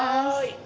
はい。